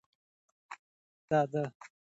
دا د کبانو لپاره خطر دی.